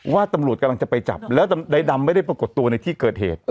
ว่าตำรวจกำลังจะไปจับแล้วในดำไม่ได้ปรากฏตัวในที่เกิดเหตุ